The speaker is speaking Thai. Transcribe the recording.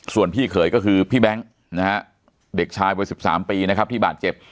ส่วนพี่เขยก็คือพี่แบงค์นะฮะเด็กชายวัย๑๓ปีนะครับที่บาดเจ็บ